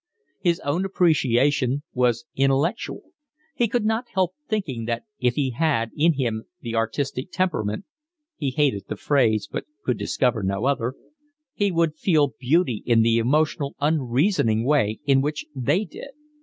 His own appreciation was intellectual. He could not help thinking that if he had in him the artistic temperament (he hated the phrase, but could discover no other) he would feel beauty in the emotional, unreasoning way in which they did.